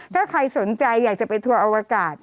ถ้าใครสนใจอยากจะไปทัวร์อวกาศ